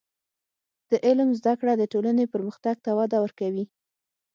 د علم زده کړه د ټولنې پرمختګ ته وده ورکوي.